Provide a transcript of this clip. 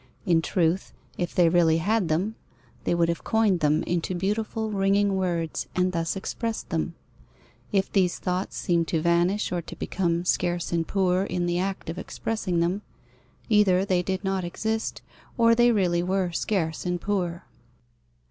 In truth, if they really had them, they would have coined them into beautiful, ringing words, and thus expressed them. If these thoughts seem to vanish or to become scarce and poor in the act of expressing them, either they did not exist or they really were scarce and poor.